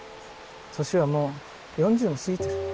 年はもう４０も過ぎてる。